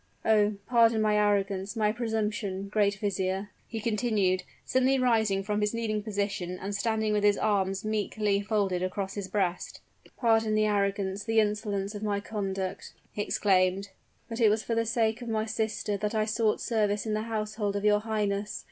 "Oh! pardon my arrogance my presumption, great vizier!" he continued, suddenly rising from his kneeling position, and now standing with his arms meekly folded across his breast "pardon the arrogance, the insolence of my conduct," he exclaimed; "but it was for the sake of my sister that I sought service in the household of your highness.